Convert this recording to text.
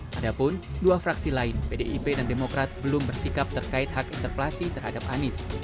padahal dua fraksi lain pdip dan demokrat belum bersikap terkait hak interpelasi terhadap anies